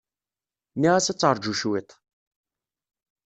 Nniɣ-as ad teṛju cwiṭ.